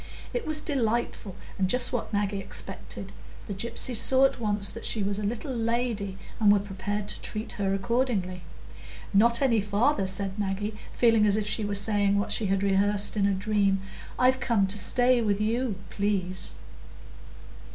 It was delightful, and just what Maggie expected; the gypsies saw at once that she was a little lady, and were prepared to treat her accordingly. "Not any farther," said Maggie, feeling as if she were saying what she had rehearsed in a dream. "I'm come to stay with you, please."